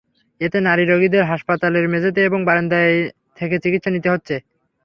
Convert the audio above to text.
এতে নারী রোগীদের হাসপাতালের মেঝেতে এবং বারান্দায় থেকে চিকিৎসা নিতে হচ্ছে।